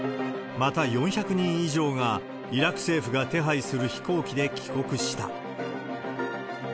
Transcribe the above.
また、４００人以上が、イラク政府が手配する飛行機で帰国した。